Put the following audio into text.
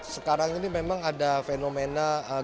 sekarang ini memang ada fenomena